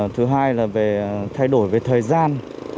thứ hai là về thay đổi về thời gian